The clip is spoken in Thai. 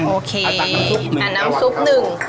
โอเคแต่น้ำซุปหนึ่ง